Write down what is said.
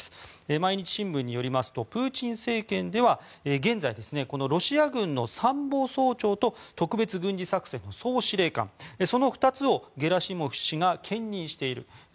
毎日新聞によりますとプーチン政権では現在、このロシア軍の参謀総長と特別軍事作戦の総司令官その２つをゲラシモフ氏が兼任している。